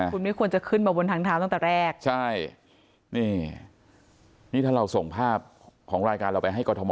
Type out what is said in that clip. คุณไม่ควรจะขึ้นมาบนทางเท้าตั้งแต่แรกใช่นี่นี่ถ้าเราส่งภาพของรายการเราไปให้กรทม